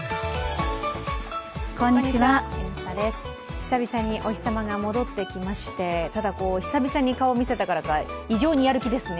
久々にお日様が戻ってきまして、ただ、久々に顔見せたからか異常にやりすぎですね。